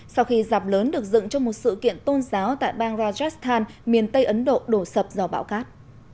sau khi dạp lớn được dựng trong một sự kiện tôn giáo tại bang rajashan miền tây ấn độ đổ sập do bão cát